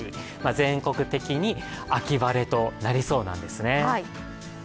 全国的に秋晴れとなりそうなんですね。